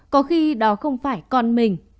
có khi đó không phải con mình